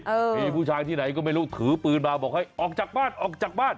มีผู้ชายที่ไหนก็ไม่รู้ถือปืนมาบอกให้ออกจากบ้านออกจากบ้าน